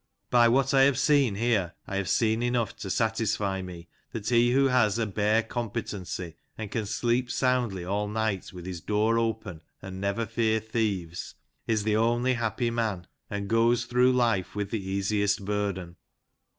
By what I have seen here I have seen enough to satisfy me that he who has a bare competency, and can sleep soundly all night with his door open and never fear thieves, is the only happy man, and goes through life with the easiest burden.